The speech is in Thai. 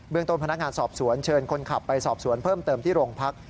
ต้นพนักงานสอบสวนเชิญคนขับไปสอบสวนเพิ่มเติมที่โรงพัก